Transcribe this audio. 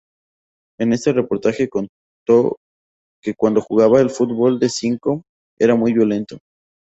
En ese reportaje contó que cuando jugaba al fútbol de chico era muy violento.